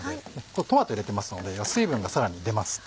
トマト入れてますので水分がさらに出ます。